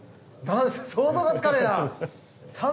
想像がつかないな。